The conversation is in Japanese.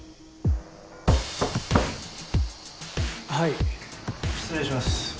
はい失礼します